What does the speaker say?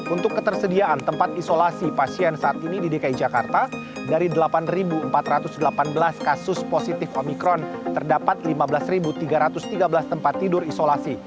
untuk ketersediaan tempat isolasi pasien saat ini di dki jakarta dari delapan empat ratus delapan belas kasus positif omikron terdapat lima belas tiga ratus tiga belas tempat tidur isolasi